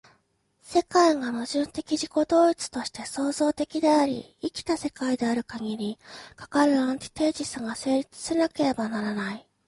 世界が矛盾的自己同一として創造的であり、生きた世界であるかぎり、かかるアンティテージスが成立せなければならない。